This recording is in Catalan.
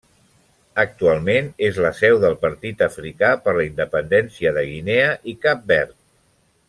Actualment és la seu del Partit Africà per la Independència de Guinea i Cap Verd.